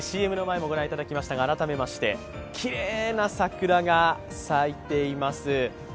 ＣＭの前も御覧いただきましたが、改めまして、きれいな桜が咲いています。